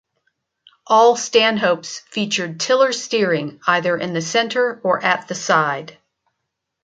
All Stanhopes featured tiller steering, either in the center or at the side.